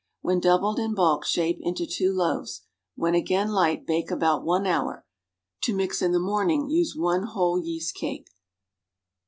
AVhen doubled in bulk, shape into tw^o loaves. ^Yhen again light, bake about one hour, To mix in the morning, use one whole yeast cake.